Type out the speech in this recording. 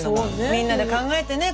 みんなで考えてね